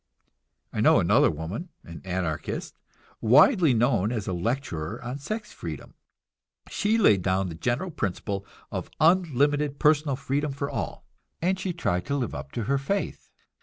I know another woman, an Anarchist, widely known as a lecturer on sex freedom. She laid down the general principle of unlimited personal freedom for all, and she tried to live up to her faith.